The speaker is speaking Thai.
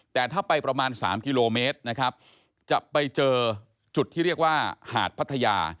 แต่ถ้าไปประมาณ๓กิโลเมตรนะครับจะไปเจอจุดที่เรียกว่าหาดพัทยา